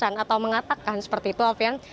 atau mengatakan seperti itu alfian